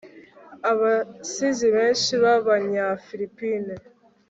abasizi benshi b'abanyafilipine